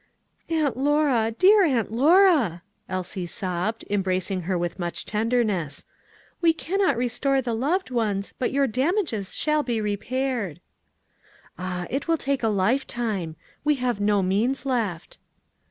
"Aunt Lora, dear Aunt Lora!" Elsie sobbed, embracing her with much tenderness; "we cannot restore the loved ones, but your damages shall be repaired." "Ah, it will take a lifetime; we have no means left."